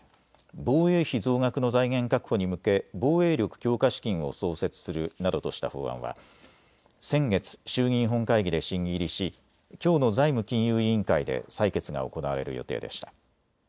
防衛費増額の財源確保に向け防衛力強化資金を創設するなどとした法案は先月、衆議院本会議で審議入りしきょうの財務金融委員会で採決が行われる予定でした。